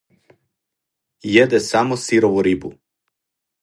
Једе само сирову рибу!